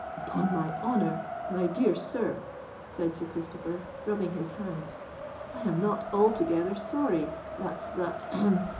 "Upon my honour—my dear sir," said Sir Christopher, rubbing his hands, "I am not altogether sorry that—that—ahem!